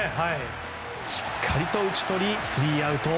しっかりと打ち取りスリーアウト。